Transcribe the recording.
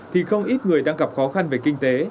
thì không ít người đang gặp khó khăn về kinh tế